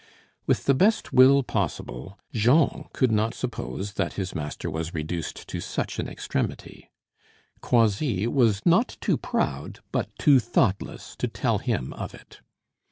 With the best will possible, Jean could not suppose that his master was reduced to such an extremity; Croisilles was not too proud, but too thoughtless to tell him of it.